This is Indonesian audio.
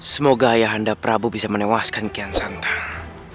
semoga ayahanda prabu bisa menewaskan kian santang